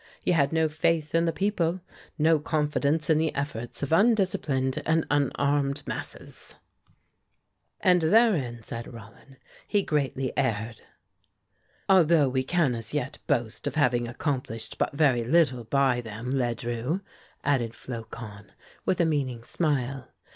He had no faith in the people, no confidence in the efforts of undisciplined and unarmed masses." "And therein," said Rollin, "he greatly erred." "Although we can as yet boast of having accomplished but very little by them, Ledru," added Flocon, with a meaning smile.